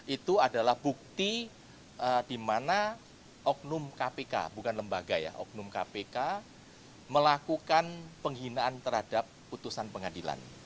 itu adalah bukti di mana oknum kpk bukan lembaga ya oknum kpk melakukan penghinaan terhadap putusan pengadilan